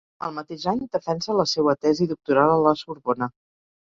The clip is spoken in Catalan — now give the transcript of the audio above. El mateix any defensa la seua tesi doctoral a la Sorbona.